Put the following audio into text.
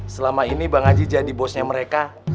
selama ini bang haji jadi bosnya mereka